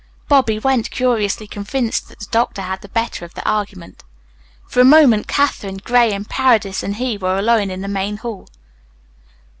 Bobby went, curiously convinced that the doctor had had the better of the argument. For a moment Katherine, Graham, Paredes, and he were alone in the main hall.